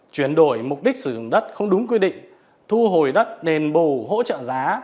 chuyển đổi mục đích sử dụng đất không đúng quy định thu hồi đất nền bù hỗ trợ giá